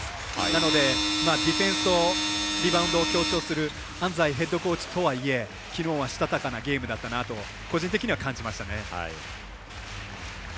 なので、ディフェンスとリバウンドを強調する安齋ヘッドコーチとはいえきのうはしたたかなゲームだったなと個人的には感じましたね。